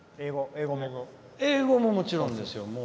英語ももちろんですよ。